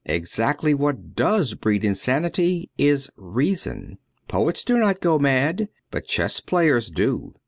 Exactly what does breed insanity is reason. Poets do not go mad, but chess players do.